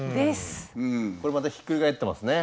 これまたひっくり返ってますね